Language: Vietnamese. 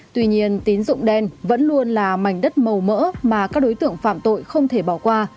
tuy nhiên tín dụng đen vẫn luôn là mảnh đất màu mỡ mà các đối tượng phạm tội không thể bỏ qua